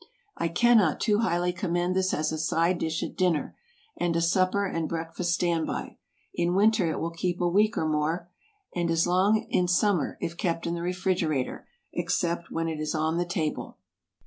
I cannot too highly commend this as a side dish at dinner, and a supper and breakfast stand by. In winter it will keep a week and more, and as long in summer, if kept in the refrigerator—except when it is on the table.